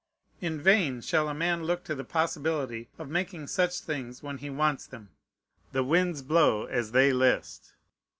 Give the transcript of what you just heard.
In vain shall a man look to the possibility of making such things when he wants them. The winds blow as they list.